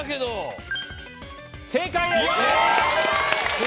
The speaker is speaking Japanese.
正解です！